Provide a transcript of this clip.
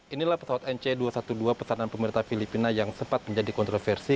inilah pesawat nc dua ratus dua belas pesanan pemerintah filipina yang sempat menjadi kontroversi